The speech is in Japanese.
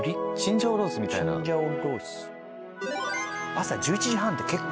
朝１１時半って結構。